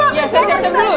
iya saya siap siap dulu